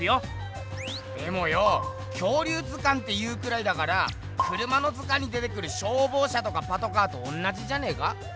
でもよ恐竜図鑑って言うくらいだからくるまの図鑑に出てくるしょうぼう車とかパトカーとおんなじじゃねえか？